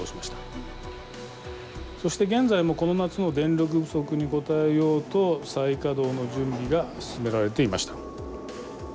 そして現在もこの夏の電力不足に応えようと再稼働の準備が進められていました。